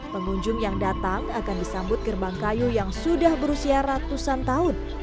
pengunjung yang datang akan disambut gerbang kayu yang sudah berusia ratusan tahun